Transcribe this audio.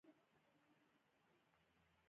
دا کمپاینونه بیلابیل او مشخص جزوي اهداف تعقیبوي.